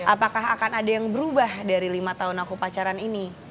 apakah akan ada yang berubah dari lima tahun aku pacaran ini